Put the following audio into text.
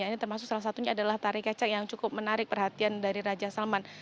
ini termasuk salah satunya adalah tari kecak yang cukup menarik perhatian dari raja salman